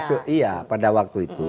iya pada waktu itu